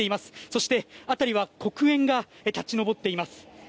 そして、辺りは黒煙が立ち上っています。